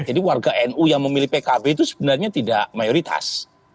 jadi warga nu yang memilih pkb itu sebenarnya tidak mayoritas